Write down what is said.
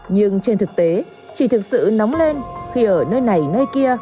nhưng trên thực tế chỉ thực sự nóng lên khi ở nơi này nơi kia